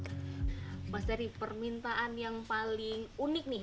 mas dari permintaan yang paling unik nih